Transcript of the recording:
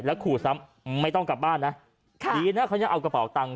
ขู่ซ้ำไม่ต้องกลับบ้านนะค่ะดีนะเขายังเอากระเป๋าตังค